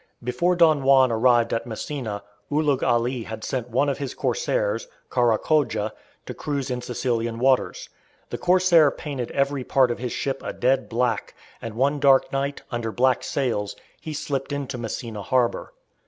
Before Don Juan arrived at Messina, Ulugh Ali had sent one of his corsairs, Kara Khodja, to cruise in Sicilian waters. The corsair painted every part of his ship a dead black, and one dark night, under black sails, he slipped into Messina harbour.